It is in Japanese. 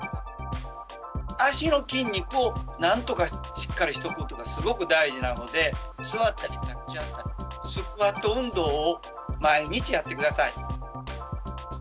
足の筋肉をなんとかしっかりしておくことがすごく大事なので、座ったり立ち上がったり、スクワット運動を毎日やってください。